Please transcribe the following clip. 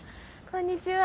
こんにちは。